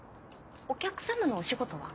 お客さまのお仕事は？